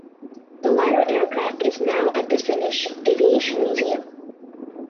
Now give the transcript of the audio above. The latter aircraft is now at the Finnish Aviation Museum.